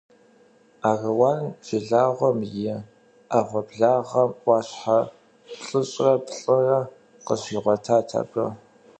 Аруан жылагъуэм и Ӏэгъуэблагъэм Ӏуащхьэ плӏыщӏрэ плӏырэ къыщигъуэтат абы.